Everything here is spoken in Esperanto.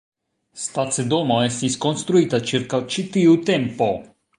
Stacidomo estis konstruita ĉirkaŭ ĉi tiu tempo.